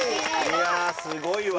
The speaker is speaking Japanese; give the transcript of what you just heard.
いやすごいわ。